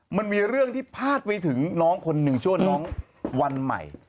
มันมีเรื่องที่พาดไปถึงน้องคนหนึ่งชื่อว่าน้องวันใหม่